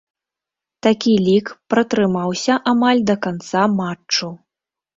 Такі лік пратрымаўся амаль да канца матчу.